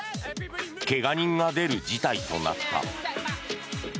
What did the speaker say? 怪我人が出る事態となった。